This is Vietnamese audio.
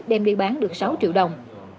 đem đi bán được sáu triệu đồng